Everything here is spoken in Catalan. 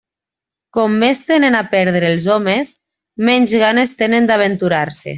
Com més tenen a perdre els homes, menys ganes tenen d'aventurar-se.